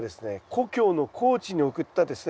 故郷の高知に送ったですね